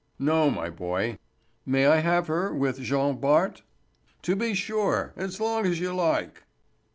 "No, my boy." "May I have her with Jean Bart?" "To be sure, as long as you like."